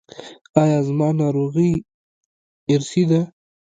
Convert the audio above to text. ایا زما ناروغي ارثي ده؟